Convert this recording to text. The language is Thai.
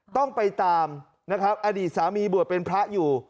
ต้องไปตามนะครับอดีตสามีบวชเป็นพระอยู่